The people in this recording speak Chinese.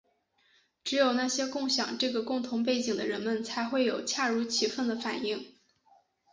只有那些共享这个共同背景的人们才会有恰如其分的反应。